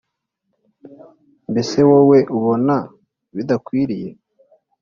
mbese wowe ubona bidakwiriye